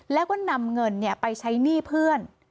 แล้วก็นำเงินไปใช้หนี้เพื่อน